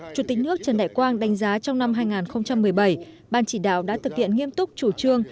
chủ tịch nước trần đại quang đánh giá trong năm hai nghìn một mươi bảy ban chỉ đạo đã thực hiện nghiêm túc chủ trương